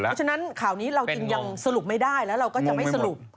เพราะฉะนั้นข่าวนี้เราจึงยังสรุปไม่ได้แล้วเราก็จะไม่สรุป